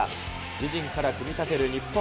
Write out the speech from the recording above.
自陣から組み立てる日本。